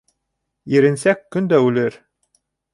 Иренсәк көн дә үлер.